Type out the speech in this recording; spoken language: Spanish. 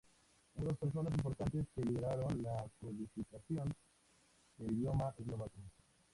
Hubo dos personas importantes que lideraron la codificación del idioma eslovaco.